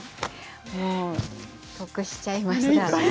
得しちゃいました。